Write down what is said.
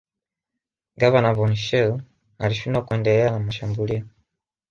Gavana von Schele alishindwa kuendelea na mashambulio